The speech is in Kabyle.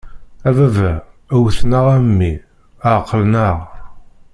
A baba! Wwten-aɣ, a mmi! Ɛeqlen-aɣ.